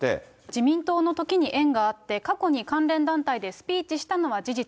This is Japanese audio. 自民党のときに縁があって、過去に関連団体でスピーチしたのは事実。